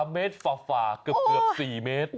เมตรฝ่าเกือบ๔เมตร